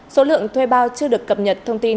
số lượng thuê bao chưa được cập nhật thông tin